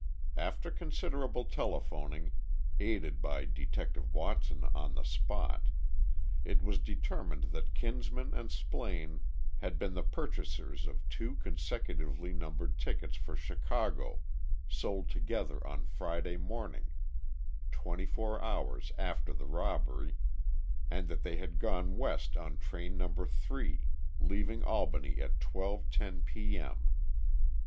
After considerable telephoning, aided by Detective Watson on the spot, it was determined that Kinsman and Splaine had been the purchasers of two consecutively numbered tickets for Chicago sold together on Friday morning, twenty four hours after the robbery, and that they had gone west on Train No. 3, leaving Albany at 12:10 p. m.